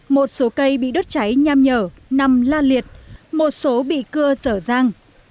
một số cây bị đốt cháy nham nhở nằm la liệt một số bị cưa sở rang